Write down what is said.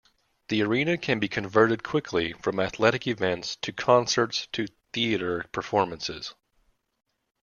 The arena can be converted quickly from athletic events to concerts, to theater performances.